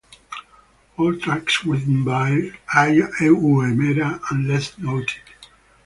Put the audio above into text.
All tracks written by Ai Uemura unless noted.